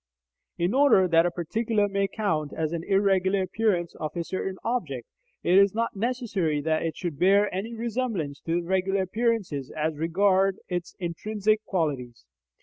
In order that a particular may count as an irregular appearance of a certain object, it is not necessary that it should bear any resemblance to the regular appearances as regard its intrinsic qualities.